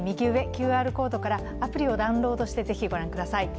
ＱＲコードからアプリをダウンロードして、ぜひご覧ください。